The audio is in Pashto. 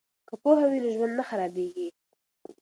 که پوهه وي نو ژوند نه خرابیږي.